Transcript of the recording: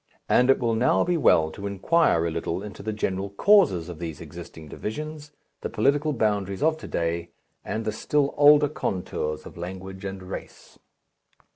And it will now be well to inquire a little into the general causes of these existing divisions, the political boundaries of to day, and the still older contours of language and race.